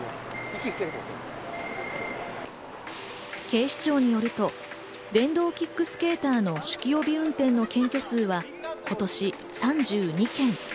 警視庁によると、電動キックスケーターの酒気帯び運転の検挙数は今年、３２件。